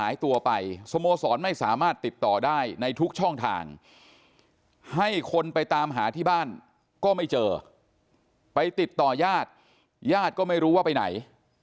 ยาฆก็ไม่รู้ว่าไปไหน